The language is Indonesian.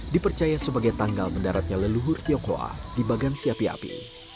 dipercaya sebagai tanggal mendaratnya leluhur tionghoa di bagan siapiapi